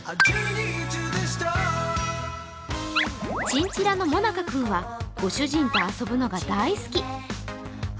チンチラのもなか君はご主人と遊ぶのが大好き。